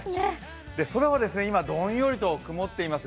空は今、どんよりと曇っています。